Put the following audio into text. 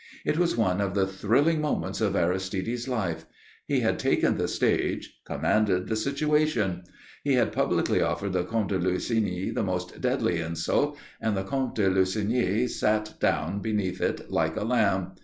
It was one of the thrilling moments of Aristide's life. He had taken the stage, commanded the situation. He had publicly offered the Comte de Lussigny the most deadly insult and the Comte de Lussigny sat down beneath it like a lamb.